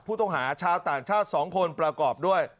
ผู้ต้องหาชาวต่างชาติ๒คนประกอบด้วย